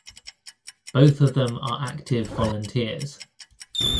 Both of them are active volunteers.